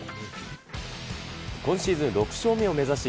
今シーズン６勝目を目指し